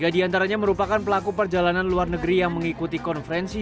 tiga diantaranya merupakan pelaku perjalanan luar negeri yang mengikuti konferensi